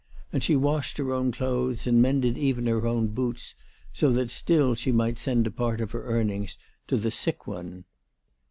And she washed her own clothes and mended even her own boots, so that still she might send a part of her earnings to the sick one.